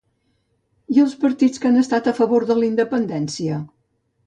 I els partits que estan a favor de la independència?